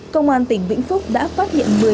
công an tỉnh vĩnh phúc đã phát hiện